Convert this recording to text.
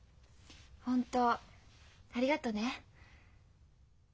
本当ありがとね。